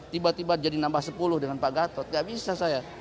tiba tiba jadi nambah sepuluh dengan pak gatot gak bisa saya